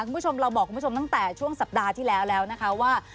คุณผู้ชมเราบอกคุณผู้ชมตั้งแต่ช่วงสัปดาห์ที่แล้วแล้วนะคะว่า